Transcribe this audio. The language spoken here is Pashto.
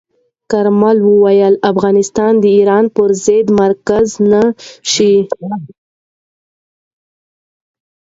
کارمل ویلي، افغانستان د ایران پر ضد مرکز نه شي.